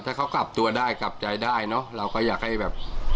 ถ้าเขากลับตัวได้กลับใจได้เนอะเราก็อยากให้แบบ